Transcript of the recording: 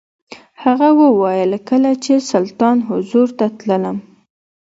هغه وویل کله چې سلطان حضور ته تللم.